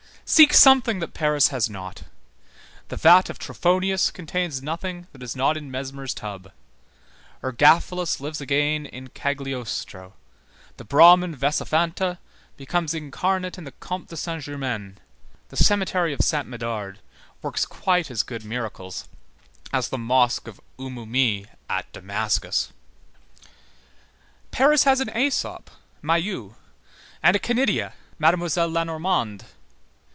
Seek something that Paris has not. The vat of Trophonius contains nothing that is not in Mesmer's tub; Ergaphilas lives again in Cagliostro; the Brahmin Vâsaphantâ become incarnate in the Comte de Saint Germain; the cemetery of Saint Médard works quite as good miracles as the Mosque of Oumoumié at Damascus. Paris has an Æsop Mayeux, and a Canidia, Mademoiselle Lenormand.